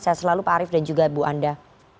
saya selalu pak arief dan juga bu anda